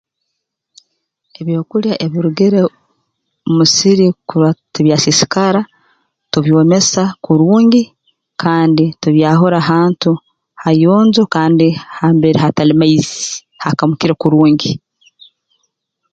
Ebyokulya ebirugire mu musiri kurora tibyasiisikara tubyomesa kurungi kandi tubyahura hantu hayonjo kandi hambere hatali maizi hakamukire kurungi